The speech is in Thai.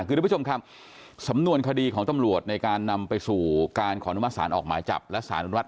คือคุณผู้ชมค่ะสำนวนคดีของตำรวจในวัตถุมาสาธารณายจับและข้อหนุนรัฐ